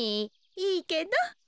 いいけど。